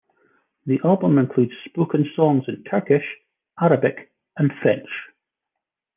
The album includes spoken songs in Turkish, Arabic, and French.